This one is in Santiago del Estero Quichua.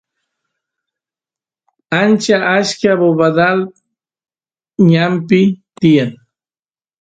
ancha achka bobadal ñanpi tiyan